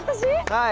はい。